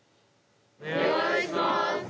お願いします。